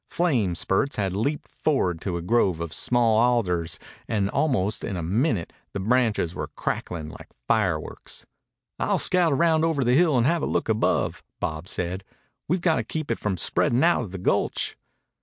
Flame spurts had leaped forward to a grove of small alders and almost in a minute the branches were crackling like fireworks. "I'll scout round over the hill and have a look above," Bob said. "We've got to keep it from spreading out of the gulch."